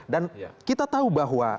dan kita tahu bahwa